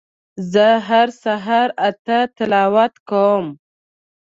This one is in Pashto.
زه هر سهار اته تلاوت کوم